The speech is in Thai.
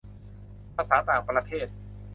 ภาษาต่างประเทศ